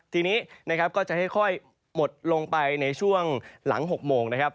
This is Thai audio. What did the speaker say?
ทีนี้นะครับก็จะค่อยหมดลงไปในช่วงหลัง๖โมงนะครับ